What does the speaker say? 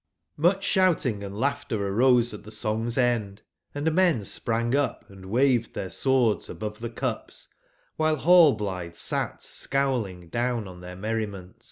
j!?JVIucb shouting and laughter arose at the song's end ; and men sprang up and waved their swords above the cups, while Rallblithe sat scowling down on their merriment.